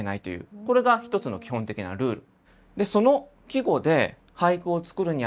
これが一つの基本的なルール。